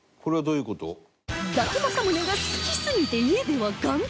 伊達政宗が好きすぎて家では眼帯